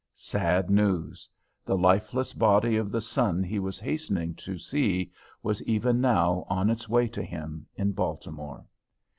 Sad news: the lifeless body of the son he was hastening to see was even now on its way to him in Baltimore.